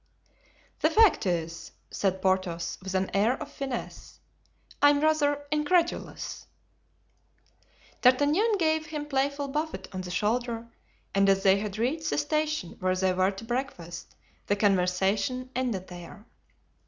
"The fact is," said Porthos, with an air of finesse, "I am rather incredulous." D'Artagnan gave him playful buffet on the shoulder, and as they had reached the station where they were to breakfast, the conversation ended there.